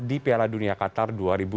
di piala dunia qatar dua ribu dua puluh